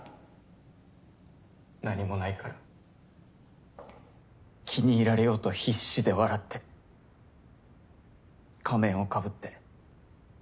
・何もないから気に入られようと必死で笑って仮面をかぶって。